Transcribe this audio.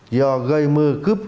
do gây mưa cướp